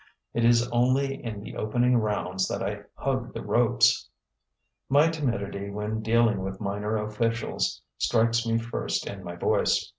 It is only in the opening rounds that I hug the ropes. My timidity when dealing with minor officials strikes me first in my voice.